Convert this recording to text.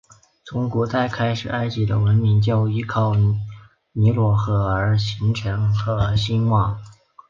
从古代开始埃及的文明就依靠尼罗河而形成和兴旺。